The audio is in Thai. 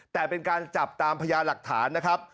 แต่เป็นการจับตามพญาหลักฐานนะครับ